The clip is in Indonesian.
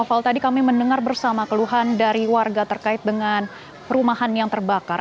fal tadi kami mendengar bersama keluhan dari warga terkait dengan perumahan yang terbakar